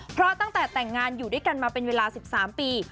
เพราะตั้งแต่แต่งงานอยู่ด้วยกันมาเป็นเวลา๑๓ปี